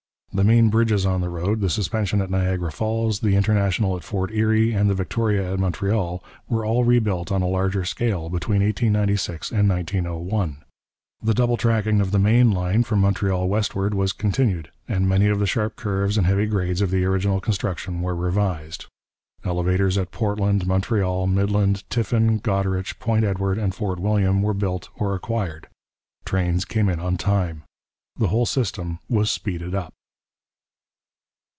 The main bridges on the road the Suspension at Niagara Falls, the International at Fort Erie, and the Victoria at Montreal were all rebuilt on a larger scale between 1896 and 1901. The double tracking of the main line from Montreal westward was continued, and many of the sharp curves and heavy grades of the original construction were revised. Elevators at Portland, Montreal, Midland, Tiffin, Goderich, Point Edward, and Fort William were built or acquired. Trains came in on time. The whole system was 'speeded up.'